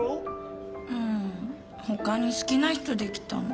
うん他に好きな人できたの。